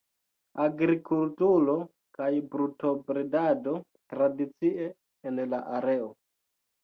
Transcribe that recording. Agrikulturo kaj brutobredado tradicie en la areo.